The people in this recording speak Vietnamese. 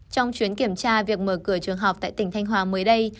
trong chuyến kiểm tra việc mở cửa trường học tại tỉnh thanh hóa mới đây